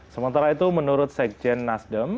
sementara itu menurut sekjen nasdem